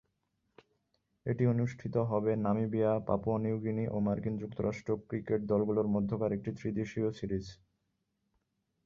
এটি অনুষ্ঠিত হবে নামিবিয়া, পাপুয়া নিউ গিনি ও মার্কিন যুক্তরাষ্ট্র ক্রিকেট দলগুলোর মধ্যকার একটি ত্রি-দেশীয় সিরিজ।